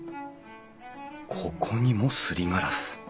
ここにもすりガラス。